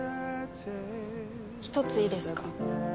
１ついいですか？